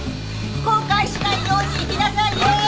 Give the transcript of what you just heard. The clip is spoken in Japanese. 後悔しないように生きなさいよ。